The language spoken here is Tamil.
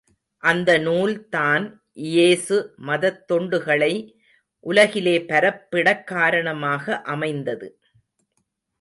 அந்த நூல் தான் இயேசு மதத் தொண்டுகளை உலகிலே பரப்பிடக் காரணமாக அமைந்தது.